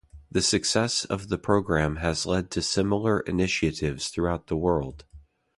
The success of the program has led to similar initiatives throughout the world.